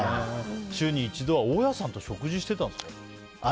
週に一度は大家さんと食事してたんですか？